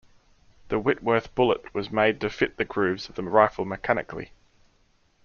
The Whitworth bullet was made to fit the grooves of the rifle mechanically.